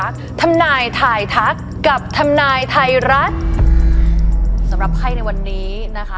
สำหรับใครในวันนี้นะคะ